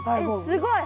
すごい。